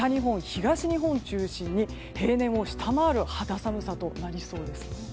東日本を中心に平年を下回る肌寒さとなりそうです。